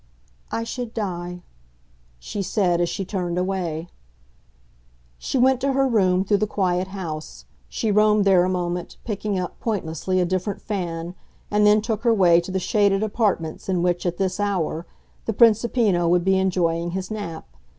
"I should die," she said as she turned away. She went to her room, through the quiet house; she roamed there a moment, picking up, pointlessly, a different fan, and then took her way to the shaded apartments in which, at this hour, the Principino would be enjoying his nap.